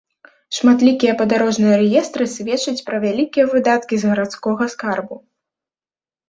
Шматлікія падарожныя рэестры сведчаць пра вялікія выдаткі з гарадскога скарбу.